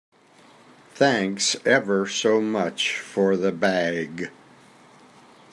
Thanks ever so much for the bag.